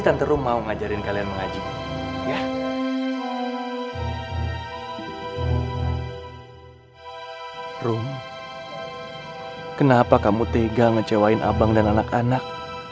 tante rum mau ngajarin kalian mengajib ya rum kenapa kamu tega ngecewain abang dan anak anak